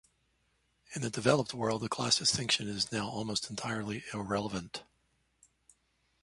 In the developed world, the class distinction is now almost entirely irrelevant.